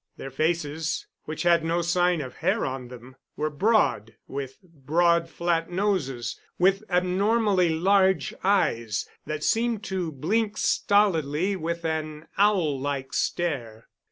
Their faces, which had no sign of hair on them, were broad, with broad flat noses, and with abnormally large eyes that seemed to blink stolidly with an owl like stare.